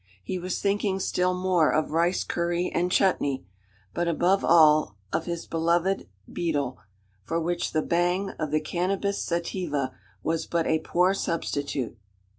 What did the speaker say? He was thinking still more of rice curry and chutnee; but above all, of his beloved "betel," for which the "bang" of the cannabis sativa was but a poor substitute.